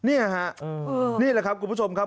นี่แหละครับคุณผู้ชมครับ